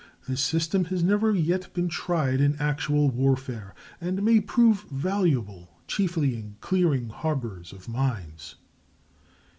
This system has never yet been tried in actual warfare, and may prove valuable chiefly in clearing harbors of mines.